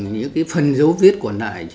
những cái phần dấu viết còn lại